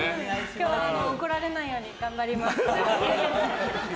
今日、怒られないように頑張ります。